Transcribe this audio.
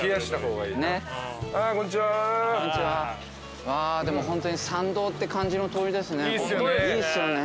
うわでもホントに参道って感じの通りですね。